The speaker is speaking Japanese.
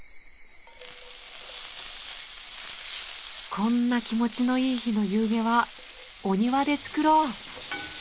こんな気持ちのいい日の夕げはお庭で作ろう！